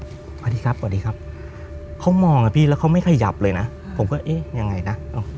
สวัสดีครับสวัสดีครับเขามองนะพี่แล้วเขาไม่ขยับเลยนะผมก็เอ๊ะยังไงนะ